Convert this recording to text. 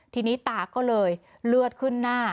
ทีนี้ตาก็เลยเลือดขึ้นหน้า